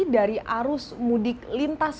dari arus mudik lintas